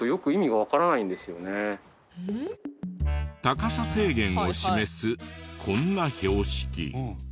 高さ制限を示すこんな標識。